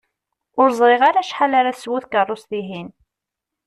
Ur ẓriɣ ara acḥal ara teswu tkerrust-ihin.